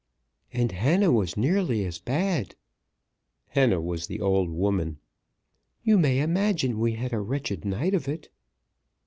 "And Hannah was nearly as bad." Hannah was the old woman. "You may imagine we had a wretched night of it."